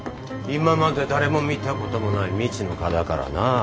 今まで誰も見たこともない未知の蚊だからな。